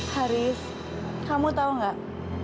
haris kamu tahu nggak